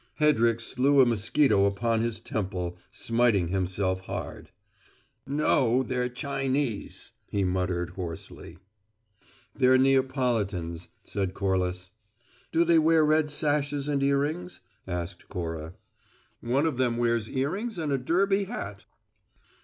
Hedrick slew a mosquito upon his temple, smiting himself hard. "No, they're Chinese!" he muttered hoarsely. "They're Neapolitans," said Corliss. "Do they wear red sashes and earrings?" asked Cora. "One of them wears earrings and a derby hat!"